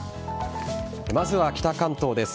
まずは北関東です。